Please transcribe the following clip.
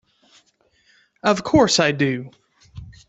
Of course I do!